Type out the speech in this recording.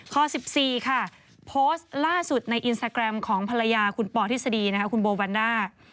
ข้อ๑๔ค่ะโพสต์ล่าสุดในอินสตาแกรมของภรรยาคุณปอทฤษฎีคุณโบวันด้า